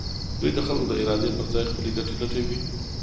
دوی د خلکو د ارادې پر ځای خپلې ګټې لټوي.